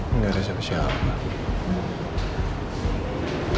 enggak ada siapa siapa